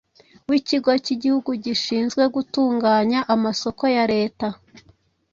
w’Ikigo cy’Igihugu gishinzwe gutunganya amasoko ya Leta